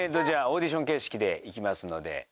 じゃあオーディション形式でいきますので。